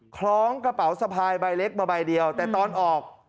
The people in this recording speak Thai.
คล้องกระเป๋าสะพายใบเล็กมาใบเดียวแต่ตอนออก